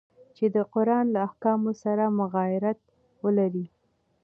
چي د قرآن له احکامو سره مغایرت ولري.